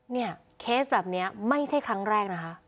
เคสแบบนี้ไม่ใช่ครั้งแรกนะคะ